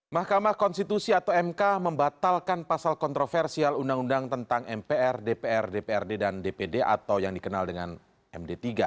mahkamah konstitusi atau mk membatalkan pasal kontroversial undang undang tentang mpr dpr dprd dan dpd atau yang dikenal dengan md tiga